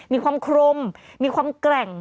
มีความครมมีความแกร่ง